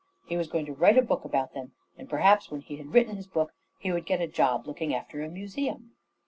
He was going to write a book about them, and perhaps, when he had written his book, he would get a job looking after a museum.